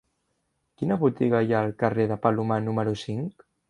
Quina botiga hi ha al carrer de Palomar número cinc?